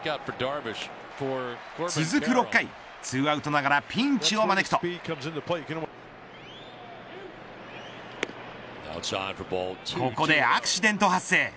続く６回、２アウトながらピンチを招くとここでアクシデント発生。